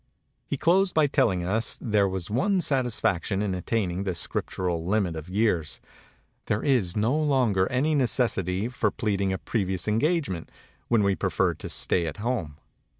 He closed by telling us there was one satisfac tion in attaining the scriptural limit of years; there is no longer any necessity for pleading a previous engagement when we prefer to stay at home.